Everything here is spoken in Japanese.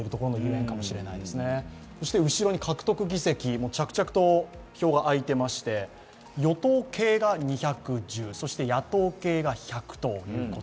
後ろに獲得議席、着々と票が開いていまして与党系が２１０、そして野党系が１００ということ。